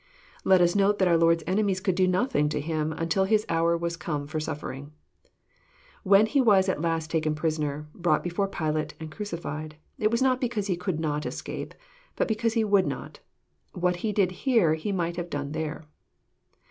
Let us note that our Lord's enemies could do nothing to Him until His hour was come for suffering. When He was at last taken prisoner, brought before Pilate, and crucified. It was not because He could not escape, but because He would not. What He did here He might have done there.